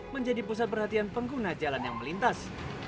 menjadi pusat perhatian pengguna jalan yang melintas